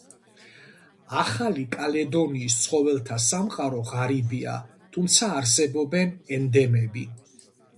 ახალი კალედონიის ცხოველთა სამყარო ღარიბია, თუმცა არსებობენ ენდემები.